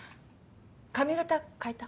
髪形変えた？